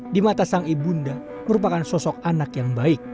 di mata sang ibunda merupakan sosok anak yang baik